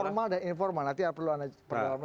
formal dan informal nanti perlu ada pergolongan lagi